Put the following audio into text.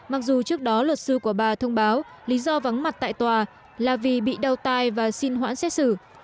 mặc dù trước đó luật sư của bà thông báo lý do vắng mặt tại tòa là vì bị đau tài và xin hoãn xét xử